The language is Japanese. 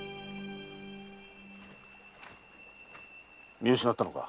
見失ったのか。